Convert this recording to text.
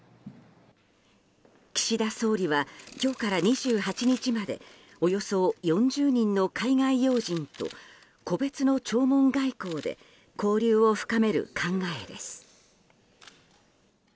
岸田総理は、今日から２８日までおよそ４０人の海外要人と個別の弔問外交で交流を深める考えです。